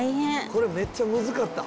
これめっちゃむずかった」